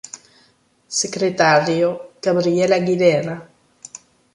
Secretario: Gabriel Aguilera.